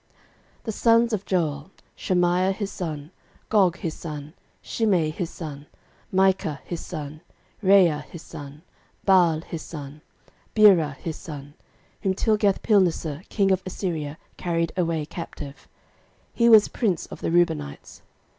13:005:004 The sons of Joel; Shemaiah his son, Gog his son, Shimei his son, 13:005:005 Micah his son, Reaia his son, Baal his son, 13:005:006 Beerah his son, whom Tilgathpilneser king of Assyria carried away captive: he was prince of the Reubenites.